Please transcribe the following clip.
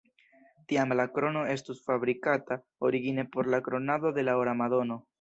Tiam la krono estus fabrikata origine por la kronado de la Ora Madono.